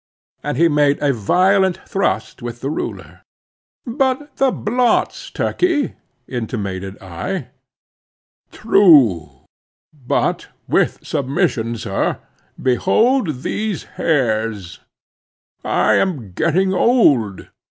—and he made a violent thrust with the ruler. "But the blots, Turkey," intimated I. "True,—but, with submission, sir, behold these hairs! I am getting old.